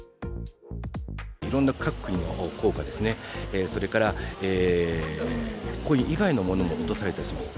いろんな各国の硬貨ですね、それからコイン以外のものも落とされたりします。